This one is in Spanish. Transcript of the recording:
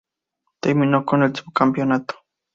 Terminó con el subcampeonato.